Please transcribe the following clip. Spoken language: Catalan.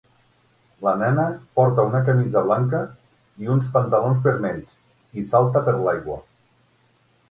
La nena porta una camisa blanca i uns pantalons vermells i salta per l'aigua.